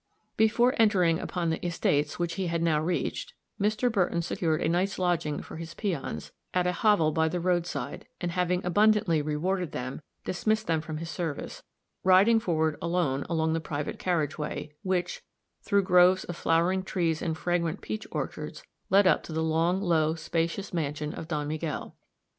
Before entering upon the estates which he had now reached, Mr. Burton secured a night's lodging for his peons, at a hovel by the roadside, and having abundantly rewarded them, dismissed them from his service, riding forward alone along the private carriage way, which, through groves of flowering trees and fragrant peach orchards, led up to the long, low, spacious mansion of Don Miguel.